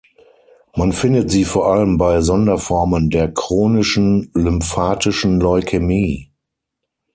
Man findet sie vor allem bei Sonderformen der chronischen lymphatischen Leukämie.